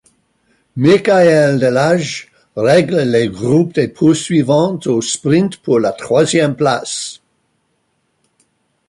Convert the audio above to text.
Mickaël Delage règle le groupe des poursuivants au sprint pour la troisième place.